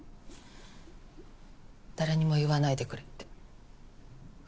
誰にも言わないでくれって。